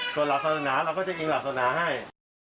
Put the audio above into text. ส่วนหลักศนาเราก็จะอิงหลักศนาให้